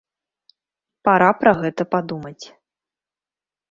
Пара пра гэта падумаць.